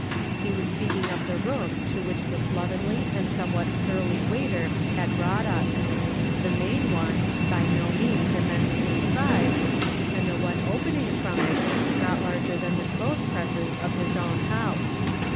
He was speaking of the room to which the slovenly and somewhat surly waiter had brouglit us. The main one, by no means immense in size, and the one opening from it, not larger than the clothes presses in his own house.